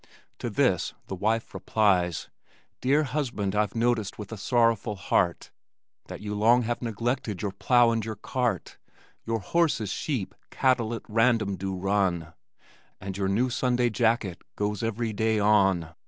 To this the wife replies: Dear husband, I've noticed with a sorrowful heart That you long have neglected your plow and your cart, Your horses, sheep, cattle at random do run, And your new Sunday jacket goes every day on.